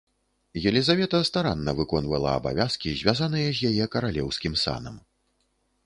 Елізавета старанна выконвала абавязкі звязаныя з яе каралеўскім санам.